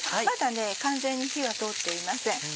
まだ完全に火は通っていません。